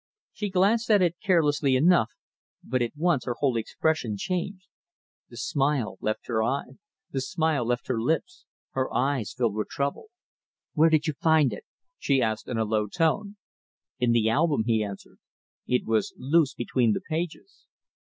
She glanced at it carelessly enough, but at once her whole expression changed. The smile left her lips, her eyes filled with trouble. "Where did you find it?" she asked, in a low tone. "In the album," he answered. "It was loose between the pages."